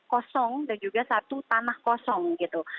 kosong dan juga satu tanah kosong gitu